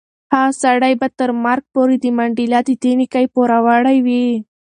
هغه سړی به تر مرګ پورې د منډېلا د دې نېکۍ پوروړی وي.